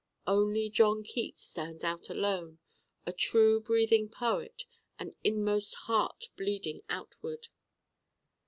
Only John Keats stands out alone, a true breathing Poet, an Inmost Heart bleeding outward.